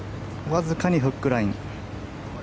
わずかにフックライン。